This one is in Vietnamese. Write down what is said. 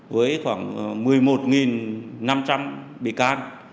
với khoảng một mươi một năm trăm linh bị can